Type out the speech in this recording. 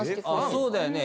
あっそうだよね。